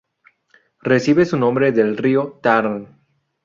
Recibe su nombre del río Tarn.